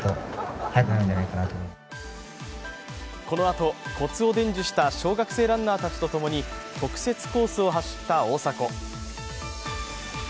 このあと、こつを伝授した小学生ランナーたちとともに特設コースを走った大迫。